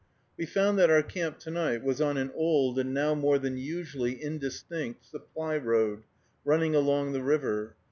We found that our camp to night was on an old, and now more than usually indistinct, supply road, running along the river.